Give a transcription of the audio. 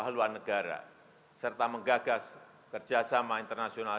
haluan negara serta menggagas kerjasama internasional